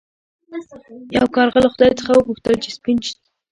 یو کارغه له خدای څخه وغوښتل چې سپین شي.